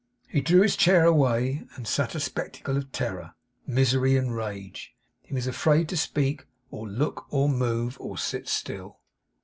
He drew his chair away, and sat a spectacle of terror, misery, and rage. He was afraid to speak, or look, or move, or sit still.